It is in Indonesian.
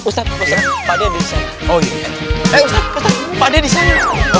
ustadz pak d disana